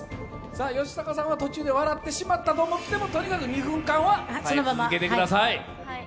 吉高さんは途中で笑ってしまったとしてもとにかく２分間は続けてください。